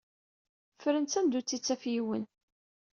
Fren-tt anda ur tt-ittaf yiwen